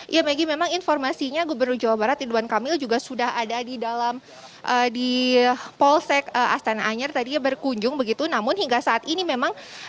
ya maggie memang informasinya gubernur jawa barat ridwan kamil juga sudah ada di dalam di polsek astana anyar tadinya berkunjung begitu namun hingga saat ini memang